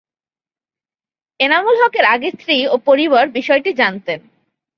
এনামুল হকের আগের স্ত্রী ও পরিবার বিষয়টি জানতেন।